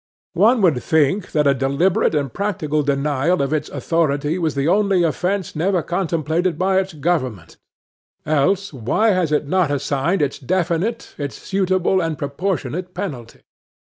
One would think, that a deliberate and practical denial of its authority was the only offence never contemplated by government; else, why has it not assigned its definite, its suitable and proportionate penalty?